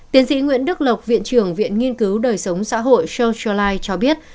tiến sĩ nguyễn đức lộc viện trưởng viện nghiên cứu đời sống xã hội social life cho biết